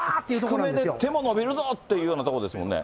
低めで、手も伸びるぞっていうところですもんね。